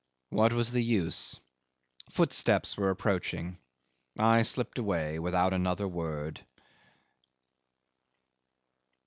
What was the use? Footsteps were approaching; I slipped away without another word.